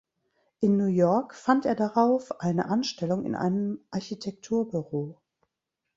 In New York fand er darauf eine Anstellung in einem Architekturbüro.